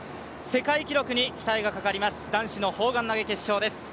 世界記録に期待がかかります、男子の砲丸投決勝です。